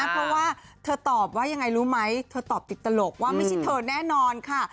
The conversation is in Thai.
เพราะว่าเธอตอบว่ายังไงรู้ไหมเธอตอบติดตลกว่าไม่ใช่เธอแน่นอนค่ะ